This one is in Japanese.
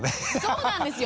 そうなんですよ。